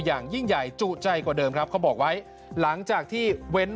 อย่างยิ่งใหญ่จุใจกว่าเดิมครับเขาบอกไว้หลังจากที่เว้น